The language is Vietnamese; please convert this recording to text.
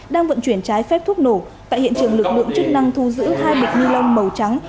đang vận chuyển trái phép thuốc nổ tại hiện trường lực lượng chức năng thu giữ hai bịt nilon màu trắng